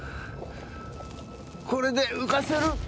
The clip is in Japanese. これで浮かせる！